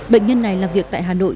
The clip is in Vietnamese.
bệnh nhân này làm việc tại hà nội